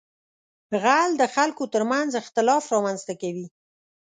غل د خلکو تر منځ اختلاف رامنځته کوي